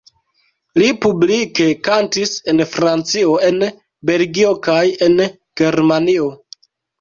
Li publike kantis en Francio, en Belgio kaj en Germanio.